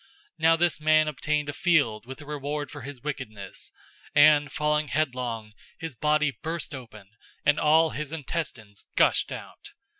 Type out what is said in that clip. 001:018 Now this man obtained a field with the reward for his wickedness, and falling headlong, his body burst open, and all his intestines gushed out.